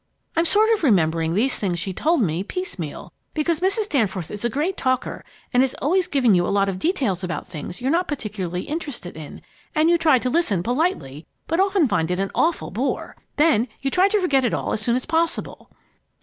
I'm sort of remembering these things she told me, piecemeal, because Mrs. Danforth is a great talker and is always giving you a lot of details about things you're not particularly interested in, and you try to listen politely, but often find it an awful bore. Then you try to forget it all as soon as possible!"